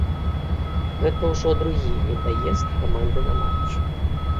Гэта ўжо другі недаезд каманды на матч.